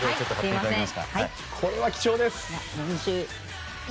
これは貴重です！